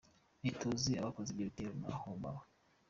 Ntituzi abakoze ivyo bitero naho baba.